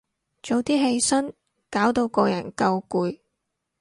早啲起身，搞到個人夠攰